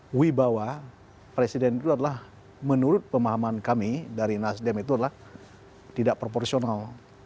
wibawa presiden itu adalah menurut pemahaman kami dari nasdem itu adalah tidak proporsional